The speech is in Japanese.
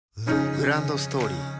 グランドストーリー